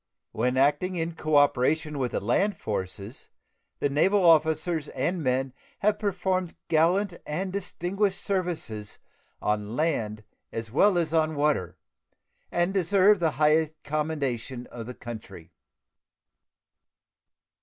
When acting in cooperation with the land forces, the naval officers and men have performed gallant and distinguished services on land as well as on water, and deserve the high commendation of the country.